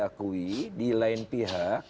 akui di lain pihak